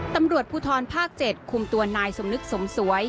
ตำรวจภูทรภาค๗คุมตัวนายสมนึกสมสวย